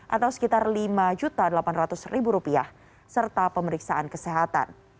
atau sekitar lima delapan juta rupiah serta pemeriksaan kesehatan